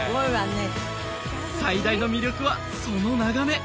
最大の魅力はその眺め